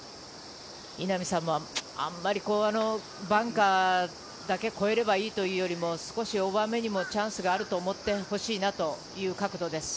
稲見さんもあんまり、バンカーだけ越えればいいというよりも少しオーバーめにもチャンスがあると思ってほしいなという角度です。